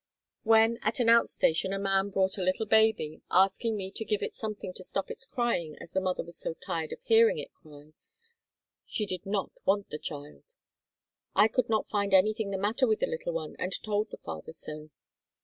When at an out station a man brought a little baby, asking me to give it something to stop its crying as the mother was so tired of hearing it cry she did not want the child. I could not find anything the matter with the little one and told the father so.